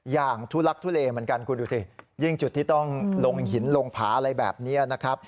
ทุลักทุเลเหมือนกันคุณดูสิยิ่งจุดที่ต้องลงหินลงผาอะไรแบบนี้นะครับ